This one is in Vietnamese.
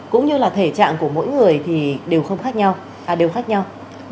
cũng như là thể trạng của mỗi người thì đều không khác nhau và đều khác nhau